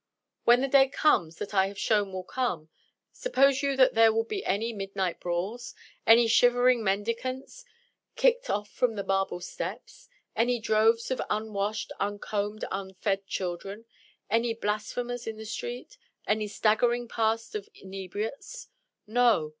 When the day comes that I have shown will come, suppose you that there will be any midnight brawls? any shivering mendicants, kicked off from the marble steps? any droves of unwashed, uncombed, unfed children? any blasphemers in the street? any staggering past of inebriates? No!